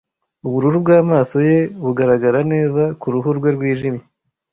Ubururu bw'amaso ye bugaragara neza kuruhu rwe rwijimye.